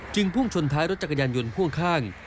พุ่งชนท้ายรถจักรยานยนต์พ่วงข้าง